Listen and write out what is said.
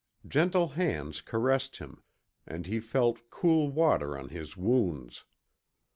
Gentle hands caressed him, and he felt cool water on his wounds.